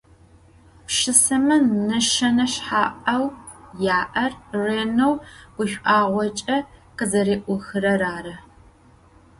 Pşşıseme neşşene şsha'eu ya'er rêneu guş'uağoç'e khızeriuxırer arı.